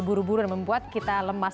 buru buru dan membuat kita lemas